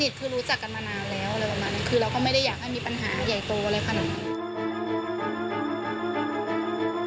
คือเราก็ไม่ได้อยากมีปัญหาใหญ่ตีเลยค่ะ